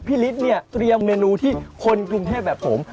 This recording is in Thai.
ฤทธิ์เนี่ยเตรียมเมนูที่คนกรุงเทพแบบผม